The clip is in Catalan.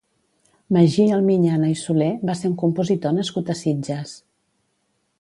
Magí Almiñana i Soler va ser un compositor nascut a Sitges.